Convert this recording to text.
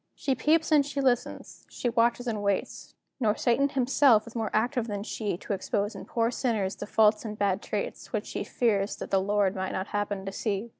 She peeps and she listens, she watches and waits, Nor Satan himself is more active than she To expose in poor sinners the faults and bad traits, Which she fears that the Lord might not happen to see.